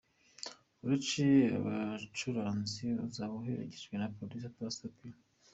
Uretse abacuranzi azaba anaherekejwe na Producer Pastor P.